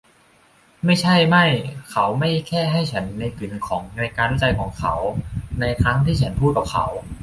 ไม่ใช่ไม่ เขาไม่แค่ให้ฉันในกึ๋นของการวิจัยของเขาในครั้งที่ฉันพูดกับเขา